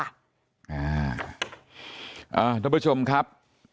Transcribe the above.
ท่านผู้ชมครับ